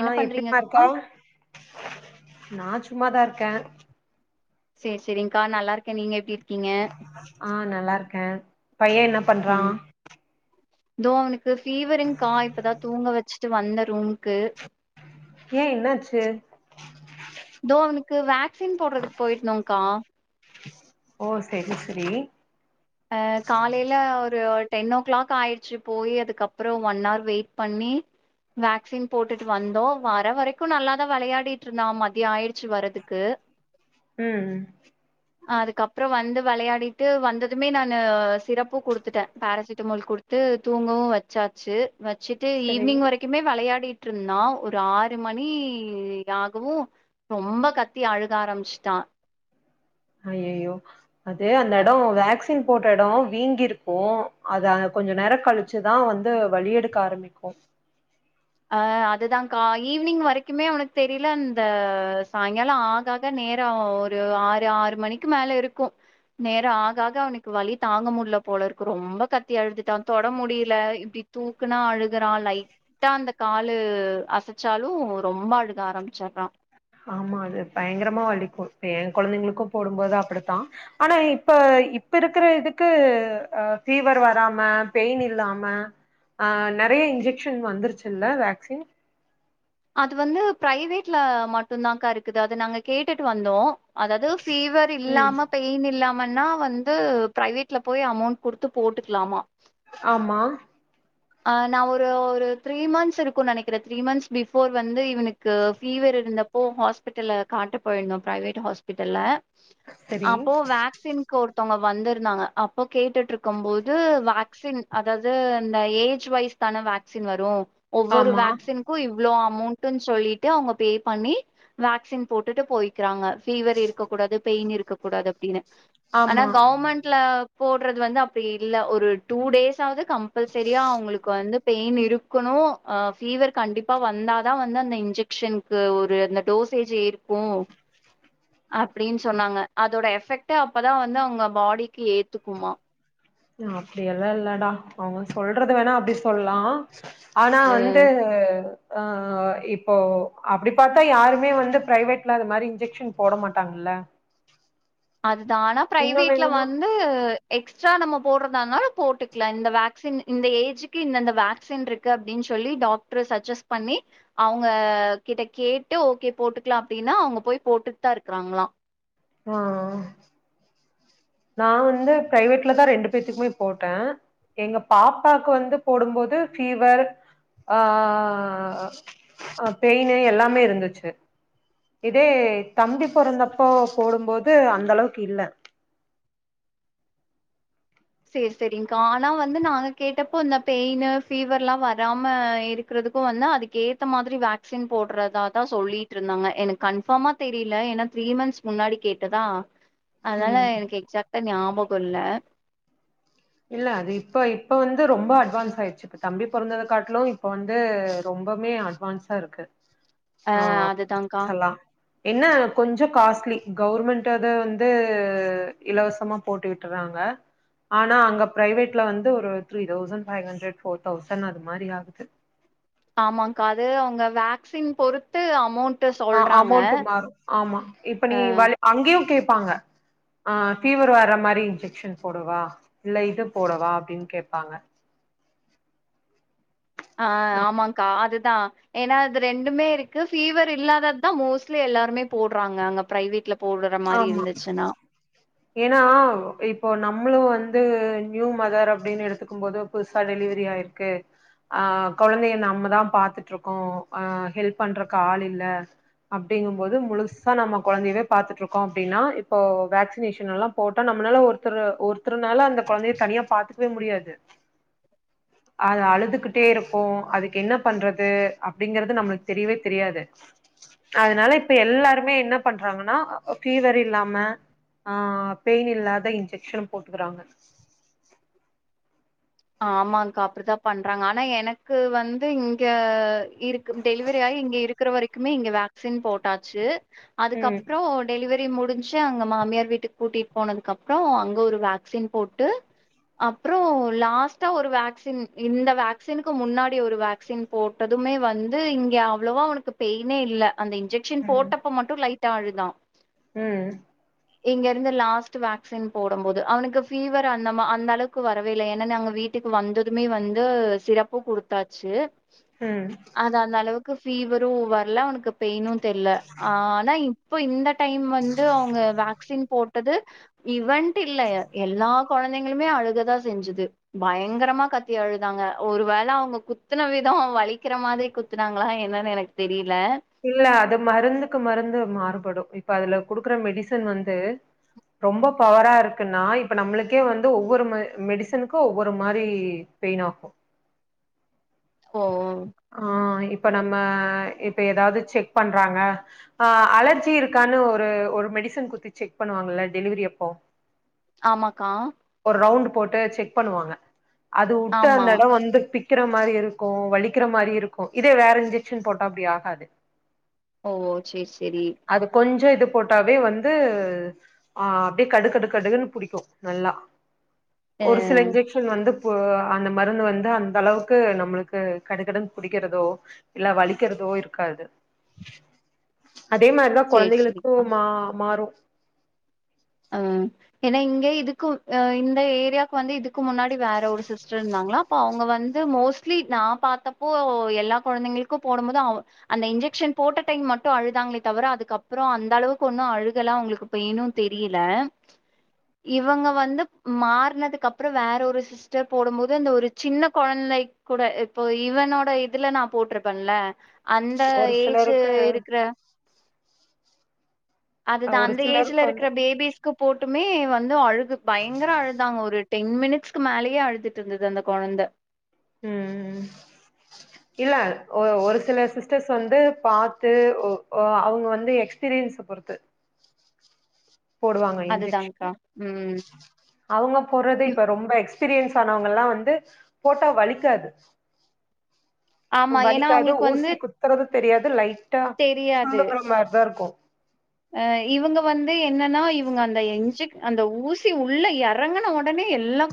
என்ன ஆஹ் எப்டிபா பண்றீங்கக்கா இருக்கா நான் சும்மாதான் இருக்கேன் சரி சரி்கா நல்லா இருக்கேன் நீங்க எப்படி இரு ஆஹ் நல்லா இருக்கேன் பையன் என்ன பண்றான் ம் தோ அவுன் இத பீவரிங் காய இப்பதான் தூங்க வச்சு வந்த ரூம்கு ஏ என்னாச்சு தோவனுக்கு வேக் சீன் போடுறதுக்கு போயிருந்தோங்கா ஓ செரி சரி ஆஹ் காலயில ஒரு டென் ஓ கிளாக் ஆய்டுச்சு போய் அதுக்கப்புறம் ஒன் ஹர் வெயிட் பண்ணி வேக்சின் போட்டுட்டு வந்தோம் வர வரைக்கும் நல்லாதான் விளையாடிட்டு இருந்தான் மதியம் ஆயிடுச்சு வரதுக்கு உஹம் அதுக்கப்புறம் வந்து விளையாடிட்டு வந்த அதுவுமே நானு சிரப்பும் குடுத்துட்டேன் போரசிட்டமால் குடுத்து தூங்கவும் வச்சாச்சு வச்சிட்டு செரி ஈவி்னிங் வரைக்குமே விளையாடிட்டு ருந்னா ஒரு ஆறு மணி ஆகவும் ரொம்ப கத்தி அழுக ஆரம்பிச்சிட்டான் அஹ்யயோ அதே அந்த இடம் வேக்ஸ் வேக்ஸின் போட்ட ஏடோ வீங்கிருக்கும் அதை கொஞ்சம் நேரம் கழிச்சுதான் வந்து வழி எடுக்க ஆரம்பிக்கும் அஹ் அதுதான்கா ஈவினிங் வரைக்குமே அவனுக்கு தெரியல அந்த சாயங்காலம் ஆகாக நேரம் ஒரு ஆறு ஆறு மணிக்கு மேல இருக்கும் நேரம் ஆகாக அவனுக்கு வழி தாங்க முடியல போல இருக்கு ரொம்ப கத்தி அழுதுட்ட அவன் தொட முடியல இப்படி தூக்குனா அழுகுறான் லைக் லைட அந்த காலு அசைச்சாலும் ரொம்ப அழுக ஆரம்பிச்சடுறான் ஆமா அது பயங்கரமா வலிக்கு என் கெழந்தைங்களுக்கும் போடும்போது அப்படித்தான் ஆனா இப்ப இப்ப இருக்கற இதுக்கு ஹ பீவர் வராம பெயின் இல்லாம ஆஹ் நெறைய இன்ஜெக்ஷன் வந்துருச்சுல்ல வேக்சின் அது வந்து பிரைவேட்ல மட்டும்தாக்கா இருக்குது அது நாங்க கேட்டுட்டு வந்தோம் அதாவது பீவர் ம் இல்லாம பெயின் இல்லாம இல்லன்னா வந்து பிரைவேட்ல போய் அமௌண்ட் கொடுத்து போட்டுக்கலாமா ஆமா ஆஹ் நான் ஒரு த்ரீ மந்த்ஸ் இருக்கும் நெனைக்கிறேன் த்ரீ மந்த்ஸ் பிஃபோர் வந்து இவனுக்கு ஃபீவர் இருந்தப்போ ஹாஸ்பிட்டலில் காட்ட போயிருந்தோம் ப்ரைவேட் ஹாஸ்பிட்டல சரி அப்போ வேக்சின்க ஒருத்தங்க வந்திருந்தாங்க அப்போ கேட்டுட்டு இருக்கும் போது வேக்சின் அதாவது இந்த ஏஜ் வைஸ் தான வேக்சின் வரும் ஒவ்வொரு ஆமா வேக்சின் அவ்ளோ அமௌன்ட் சொல்லிட்டு அவங்க பேய் பண்ணி வேக்சின் போட்டுட்டு போய்கிறாங்க பீவர் இருக்க கூடாது பெயின் இருக் க்க கூடாது அடின்னு ஆனா ஆமா கவர்மெண்ட்ல போட் து வந்து அப்படி இல் ஒரு டூ டேஸ் ஆவது கம்பல்சரியா அவங்களுக்கு வந்து பெயின் இருக்கணும் பீவர் கண்டிப்பா வந்தாதான் வந்து அந்த இன்ஜெக்ஷனுக்கு ஒரு அந்த டோசேஜ் இருக்கும் அப்படின்னு சொன்னாங்க அதோட எஃப் எபக்ட்டா அப்பதான் வந்து அவங்க பாடிக்கு ஏத்துக்குமா அப்படியெல்லாம் இல்லடா அவங்க சொல்றது வேணா அப்டி சொல்லாம் ஆனா அ வந்து அஹ் இப்போ அப்படி பார்த்தா யாருமே வந்து பிரைவேட்ல அது மாதிரி இன்ஜெக்ஷன் போட மாட்டாங்கல்ல அதுதான் ஆனா இன்னொன்னு பிரைவேட்ல என்னன்னா வந்து எக்ஸ்ட்ரா நம்ம போடுறதா இருந்தாலும் போட்டுக்கலாம் இந்த வேக்சின் இந்த ஏஜுக்கு இந்தந்த வேக்சின் இருக்கு அப்படின்னு சொல்லி டாக்டரு சஜஸ்ட் பண்ணி அவங்க கிட்ட கேட்டு ஓகே போட்டுக்கலாம் அப்படின்னா அவங்க போய் போட்டுட்டு தான் இருக்கறாங்களாம் ஆஹ் நான் வந்து பிரைவேட்லதான் ரெண்டு பேத்துக்குமே போட்டேன் எங்க பாப்பாக்கு வந்து போடும்போது ஃபீவர் அஹ் பெயின் எல்லாமே இருந்துச்சு இதே தம்பி பிறந்தப்போ போடும்போது அந்த அளவுக்கு இல்ல சரி சரி்கா ஆனா வந்து நாங்க கேட்டப்போ இந்த பெயின் ஃபீவர் எல்லாம் வராம இருக்கிறதுக்கும் வந்து அதுக்கு ஏத்த மாதிரி வேக்சின் போடுறதாாதான் சொல்லிட்டு இருந்தாங்க எனக்கு கன்பர்மா தெரியல ஏன்னா த்ரீ மந்த்ஸ் முன்னாடி கேட்டதா அதனால ம் எனக்கு எக்சாக்ட்டா ஞாபகம் இல்ல இல்ல அது இப்ப இப்ப வந்து ரொம்ப அட்வான்ஸ் ஆயிடுச்சு இப்ப தம்பி பொறந்தக்காட்டிலும் இப்ப வந்து ரொம்பவுமே அட்வான்ஸா இருக்கு ஆ அஹ் அதுதான்கா சொல்லா என்ன கொஞ்சம் காஸ்ட்லி கவர்மெண்ட் அது வந்து இலவசமா போட்டிட்டுறாங்க ஆனா அங்க அங்க பிரைவேட்ல வந்து ஒரு three thousand five hundred four thousand அது மாதிரி ஆகுது ஆமாக்கா அது அவங்க வேக்சின் பொறுத்து அமௌண்ட் ஆஹ் சொல்றாங்க அமௌண்ட் மாறும் ஆமா இப்ப நீ ஆ அங்கயும் கே [unintelligible] ஆஹ் பபீவர் வர்ற மாதிரி இன்ஜெக்ஷன் போடுவா இல்ல இது போடுவா அப்படின்னு கேட்பாங்க ஆஹ் ஆமாக்கா அது அதான் ஏன்னா அது ரெண்டுமே இருக்கு பீவர் இல்லாதது தான் மோஸ்ட்லி எல்லாருமே போடுறாங்க அங்க பிரைவேட்ல போடுற மாரி ஆமா இருந்துச்சுன்னா ஏன்னா இப்போ நம்மளும் வந்து வ நியூ மதர் அப்படின்னு எடுத்துக்கும் போது புதுசா டெலிவரி ஆயிருக்கு ஆஹ் குழந்தைய நம்மதான் பாத்துட்டு இருக்கோம் ஹெல்ப் ஆஹ் பண்றக்கு ஆள் இல்ல அப்படிங்கும் போது முழுசா நம்ம குழந்தையவே பாத்துட்டு இருக்கோம் அப்படின்னா இப்போ வேக்சினேஷன் எல்லாம் போட்டா நம்மளால ஒருத்த ஒருத்தருனாள அந்த குழந்தைய தனியா பாத்துக்கவே முடியாது அது அழுதுகிட்டே இருக்கும் அதுக்கு என்ன பண்றது அப்படிங்கறது நமளுக்கு தெரியவே தெரியாது அதனால இப்ப எல்லாருமே என்ன பண்றாங்கன்னா ஃபீவர் இல்லாம ஆஹ் பெயின் இல்லாத இன்ஜெக்ஷன் போட்டுக்கறாங்க ஆமாகா அப்படிதான் பண்றாங்க ஆனா எனக்கு வந்து இங்க இருக்கு டெலிவரி ஆயி இங்க இருக்கிற வரைக்குமே இங்க வேக்சின் போட்டாச்சு ம் அதுக்கப்புறம் டெலிவரி டெலிவரி முடிஞ்சு அங்க மாமியார் வீட்டுக்கு கூட்டிட்டு போனதுக்கு அப்புறம் அங்கு ஒரு வேக்சின் போட்டு அப்புறம் லாஸ்ட் ஒரு வேக்சின் இந்த வேக்சினக்கு முன்னாடி ஒரு வேக்சின் போட்டதுமே வந்து இங்க அவ்வளோவா அவனுக்கு பெயினே இல்ல அந்த இன்ஜெக்ஷன் போட்டப்ப மட்டும் லைட் அழுதான் ஹும் இங்க இருந்து லாஸ்ட் வேக்சின் போடும் போது அவனுக்கு பீவர் அந்த அந்த அளவுக்கு வரவே இல்ல ஏன்னாங்க அங்க வீட்டு வீட்டுக்கு வந்ததுமே வந்து சிரப்பு குடுத்தாச்சு ம் அதுஅந்தளவுக் ஃபீவரும் வரல உனக்கு பெய்ன்னு தெரியல ஆனா இப்ப இந்த டைம் வந்து அவங்க வேக்சின் போட்டது இவன் இல்ல எல்லாம் குழந்தைங்களுமே அழுகதான் செஞ்சது பயங்கரமா கத்தி அழுதாங்க ஒரு வேள அவங்க குத்துன விதம் வலிக்கிற மாதிரி குத்துனாங்களா என்னன்னு எனக்குதெரியில இல்ல அது மருந்துக்கு மருந்து மாறுபடும் இப்ப அதுல குடுக்குற மெடிசன் வந்து ரொம்ப பவரா இருக்குன்னா இப்ப நம்மளுக்கே வந்து ஒவ்வொரு மெடிசனுக்கும் ஒவ்வொரு மாரி பெயின் ஆகும் ஓ ஆஹ் இப் இப்ப நம்ம இப்ப ஏதாவது செக் பண்றாங்க ஆஹ் அலர்ஜி இருக்கானு ஒரு ஒரு மெடிசன் குடுத்து செக் பண்ணுவாங்கல்ல டெலிவரி அப்போ ஆமாக்கா ஒரு ரவுண்ட் போட்டு செக் பண்ணுவாங்க அது ஊட்ட ஆமா அந்தடம் வந்து பி க்கிற மாரி இருக்கும் வலிக்கிற மாரி இருக்கும் இதே வேற இன்ஜெக்ஷன் போட்டா அப்படி ஆகாது ஓஓ செரி செரி அது கொஞ்சோ இது போட்டாவே வந்து ஆஹ் அப்படியே கடுக்கடுக்கடுன்னு பிடிக்கும் நல்லா ஒரு சில அ இன்ஜெக்ஷன் வந்து அந்த மருந்து வந்து அந்த அளவுக்கு நம்மளுக்கு கடு கடுனு புடிக்கிறதோ இல்ல வலிக்கிறதோ இருக்காது அதே மாதிரிதான் சேரி கொழந்தைகக்கும் சேரிக்கா மா மாறும் ஹம் ஏன்னா இங்கே இதுக்கு இந்த ஏரியாவுக்கு வந்து இதுக்கு முன்னாடி வேற ஒரு சிஸ்டர் இருந்தாங்களா அப்போ அவங்க வந்து மோஸ்ட்லி நான் பார்த்தப்போ எல்லா கொழந்தைங்களுக்கும் போடும் போது அவ அந்த இன்ஜெக்ஷன் போட்ட டைம் மட்டும் அழுதாங்களே தவிர அதுக்கப்புறம் அந்த அளவுக்கு ஒன்னும் அழுகல்லாம் அவங்களுக்கு பெயினும் தெரிய தெரியல இவங்க வந்து மாறனதுக்கு அப்புறம் வேற ஒரு சிஸ்டர் போடும் போது அந்த ஒரு சின்ன குழந்தை கூட இப்போ இவனோட இதுல நான் போட்டிருப்பேன்ல அந்த ஒரு ஏஜ் சிலருக்கு இருக்குற அதுதான் ஒரு அந்த ஏஜ்ல சிலருக்கு வந்து இருக்கிற பேபிஸ்க்கு போட்டு மட்டுமே வந்து அழுகு க்கு பயங்கர அழுதாங்க ஒரு டென் மினிட்ஸ்க்கு மேலேயே அழுதுட்டு இருந்தது அந்த கொழந்த உஹம் இல்ல ஒரு சில சிஸ்டர்ஸ் வந்து பாத்து அவங்க வந்து எக்ஸ்பீரியன்ஸ பொறுத்து போடுவாங்க அதுதான்க்கா இன்ஜெஷன் ம் அவங்க போடுறது இவ் இப்ப ரொம்ப எக்ஸ் எக்ஸ்பீரியன்ஸ் ஆனவங்க எல்லாம் வந்து போட்டா வலிக்காது ஆமா ஏன்னா வலிக்காது அவங்களுக்கு வந்து ஊசி குத்துறதுக்கு தெரியாது லைட் டா சொல்லுங்கற மாதிரிதான் இருக்கும் அஹ இவங்க வந்து என்னன்னா இவங்க அந்த எஞ்சு அந்த ஊசி உள்ள இறங்கன உடனே எல்லாம்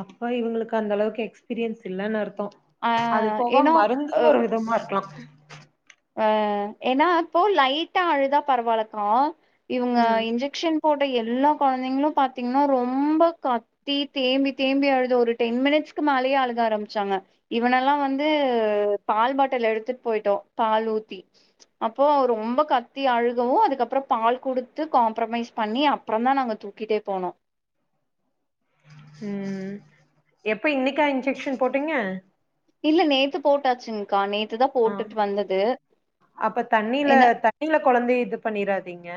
அப்பா இவங்களுக்கு அந்த அளவுக்கு எக்ஸ்பீரியன்ஸ் இல்லனு அர்த் தம் ஆ அது போக ஏன்னா மருந்தும் ஒரு விதமா இருக்லா ஆ ஏன்னா அப்போ லைட்டா அழுதா பரவாயில்லகா இவுங்க ம் இன்ஜெக்ஷன் போட்ட எல்லா குழந்தைங்களும் பாத்தீங்கன்னா ரொம்ப கத்தி தேம்பி தேம்பி அழுது ஒரு டென் மினிட்ஸ்க்கு மேலேயே அழுக ஆரம்பிச்சாங்க இவனெல்லாம் வந்து பால் பாட்டில் எடுத்துட்டு போயிட்டோம் பால் ஊத்தி அப்போ ரொம்ப கத்தி அழுகவும் அதுக்கப்புறம் பால் குடுத்து காம்ப்ரமைஸ் பண்ணி அப்புறம் தான் நாங்க தூக்கிட்டே போனோம் உம் எப்ப இன்னைக்கா இன்ஜெக்ஷன் போட்டீங்க இல்ல நேத்து போட்டாச்சுங்க்கா நேத்து தான் ஆ போட்டுட்டு வந்தது அப்ப தண்ணில ஏனா தண்ணில கொழந்தைய இது பண்ணிராதீங்க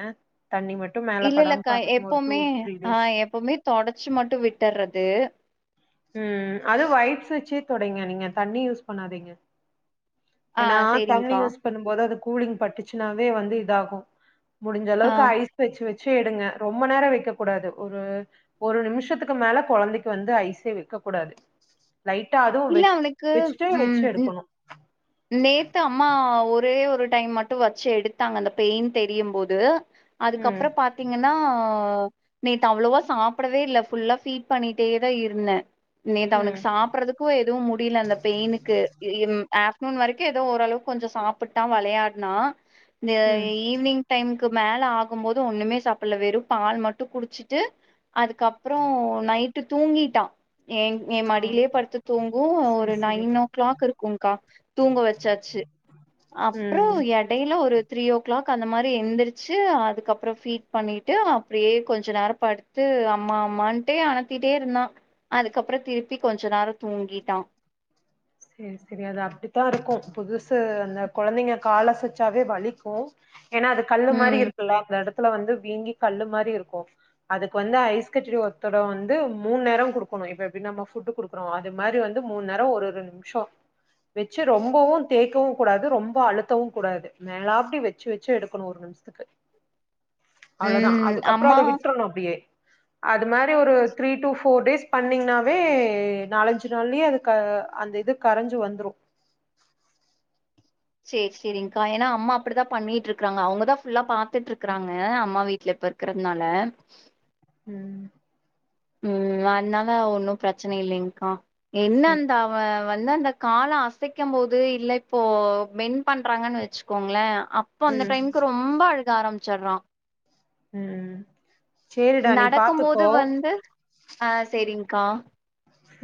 தண்ணி மட்டு மேல படாம இல்லல்லக்கா பாத்துக்குங்க ஒரு டூ எப்பவுமே த்ரீ டேஸ் ஆஹ எப்பவுமே தொடச்சு மட்டும் விட்டறது உம் அது வயப்ஸ் வச்சே தொடைங்க நீங்க தண்ணி யூஸ் பண்ணாதீங்க ஆ ஏன்னா தண்ணி சேரிங்க்கா யூஸ் பண்ணும் போது அது கூலிங் பட்டுச்சுனாவே வந்து இதாகும் முடிஞ்ச அளவு ஆ ஐயிஸ் வச்சு வச்சு சேரீங்க ரொம்ப நேரம் வைக்க கூடாது ஒரு ஒரு நிமிஷத்துக்கு மேல குழந்தைக்கு வந்து ஐசே வைக்க கூடாது லைட்டா அதுவும் இல்ல அவனுக்கு வெச்சுட்டே ம் வச்சு ன் எடுக்கணும் நேத்து அம்மா ஒரே ஒரு டைம் மட்டும் வச்சு எடுத்தாங்க அந்த பெயின் தெரியும் போது ம் அதுக்கப்புறம் பாத்தீங்கன்னா ஆஹ நேத்து அவ்வளவா சாப்புடவே இல்லை ஃபுல்லா ஃபீட் பண்ணிட்டே தான் இருந்தேன் நேத்து அவனுக்கு ம் சாப்பறதுக்கும் எதுவும் முடியல அந்த பெயினுக்கு இம் ஆப் ணுண் வரைக்கும் ஏதோ ஓரளவுக்கு கொஞ்சம் சாப்பிட்டா விளையாடுனா த ம் ஈவ்னிங் டைம் க்கு மேல ஆகும் போது ஒண்ணுமே சாப்பிடல வெறும் பால் மட்டும் குடிச்சுட்டு அதுக்கப்புறம் நைட்டு தூங்கிட்டான் என் என் ஓ மடியிலயே படுத்து தூங்கும் செரி ஒரு செரி நைன் ஓ கிளாக் இருக்கும்க்கா தூங்க வச்சாச்சு அப்புறம் ம் எடையில ஒரு த்ரீ ஓ கிளாக் அந்த மாரி எழுந்திரிச்சு அதுக்கப்புறம் ஃபீட் பண்ணிட்டு அப்படியே கொஞ்ச நேரம் படுத்து அம்மா அம்மான்ட்டே அனத்திட்டே இருந்தான் அதுக்கப்புறம் திருப்பி கொஞ்ச நேரம் தூங்கிட்டான் சரி சரி அது அப்படித்தான் இருக்கும் புதுசு அந்த குழந்தைங்க காலசச்சாவே வலிக்கும் ஏன்னா அது கல்லு மாரி ம் இருக்குல்ல அந்த இடத்து வந்து வீங்கி கல்லு மாரி இருக்கும் அதுக்கு வந்து ஐஸ் கட்டி ஒத்தடம் வந்து மூனுநேரம் குடுக்கணும் இப்ப எப்படினா நம்ம ஃபுட் குடுக்குறோம் அது மாதிரி வந்து மூண நேரம் ஒரு ஒரு வச்சு ரொம்பவும் தேக்கவும் கூடாது ரொம்ப அழுத்தவும் கூடாது மேலா படி வச்சு-வச்சு எடுக்கணும் ஒரு நிமிஷத்துக்கு அவ்ளவுதான் ம் அதுக்கப்பறம் அம்மா அத வி்ட்ரணும் அப்டியே அது மாதிரி ஒரு த்ரீ டூ போர் டேஸ் பண்ணீங்னாவே நாலஞ்சு நாள்லயே அது அந்த இது கரைஞ்சு வந்துரும் செரி-செரி்கா ஏனா அம்மா அப்டிதான் பண்ணிட்டு இருக்காங்க அவுங்கதான் புல்லா பாத் துட்டு இருக்குறாங்க அம்மா வீட் இந்த இப்ப இருக்குறதுனால உம் உம் அதனால ஒன்னும் பிரச்சனை இல்லிங்கக்கா என்ன செரி அந்த அவ வந்து அந்த கால அசைக்கும் போது இல்ல இப்போ பென் பண்றாங்கன்னு வச்சுக்கோங்களே அப்போ அந்த ம் டைமுக்கு ரொம்ப அழக ஆரம்பிச்சடறான் உம் நடக்கும் போது வந்து ஹா செரிங் கா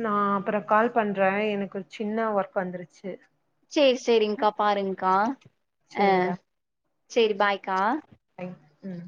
நான் அப்பறம் கால் பண்றேன் எனக்கு ஒரு சின்ன ஒர்க் வந்துருச்சு அ செரி-செரிங்க்கா பாருங்க்கா ஹா சேரிடா செரி பாய்கா உஹம்